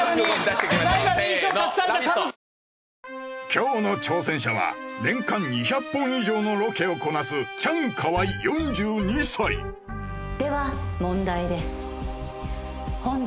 今日の挑戦者は年間２００本以上のロケをこなすチャンカワイ４２歳では問題です